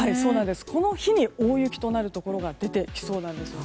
この日に大雪となるところが出てきそうなんです。